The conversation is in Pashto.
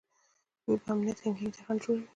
د ویب امنیت هیکینګ ته خنډ جوړوي.